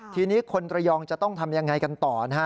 ทีนี้คนระยองจะต้องทำยังไงกันต่อนะฮะ